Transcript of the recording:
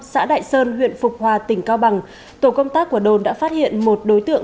xã đại sơn huyện phục hòa tỉnh cao bằng tổ công tác của đồn đã phát hiện một đối tượng